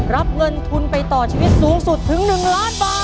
รับเงินทุนไปต่อชีวิตสูงสุดถึง๑ล้านบาท